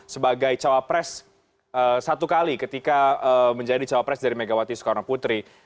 sebagai cawapres satu kali ketika menjadi cawapres dari megawati soekarno putri